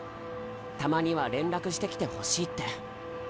たまには連絡してきてほしいって。